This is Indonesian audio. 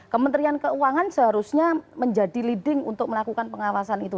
kementerian keuangan seharusnya menjadi leading untuk melakukan pengawasan itu